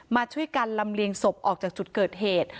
มาช่วยกันลำเลียงศพออกจากจุดเกิดเหตุ